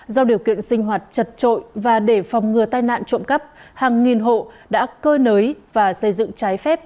do điều kiện sinh hoạt chật trội và để phòng ngừa tai nạn trộm cắp hàng nghìn hộ đã cơ nới và xây dựng trái phép